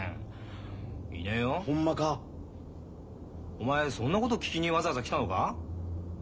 お前そんなこと聞きにわざわざ来たのか？